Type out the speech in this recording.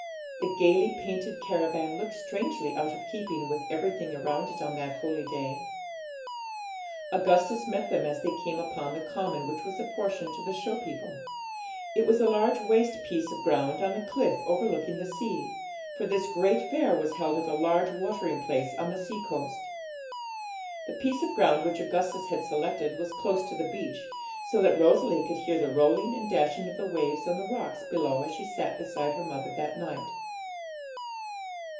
The gaily painted caravan looked strangely out of keeping with everything around it on that holy day. Augustus met them as they came upon the common which was apportioned to the show people. It was a large waste piece of ground on a cliff overlooking the sea; for this great fair was held at a large watering place on the sea coast. The piece of ground which Augustus had selected was close to the beach, so that Rosalie could hear the rolling and dashing of the waves on the rocks below as she sat beside her mother that night.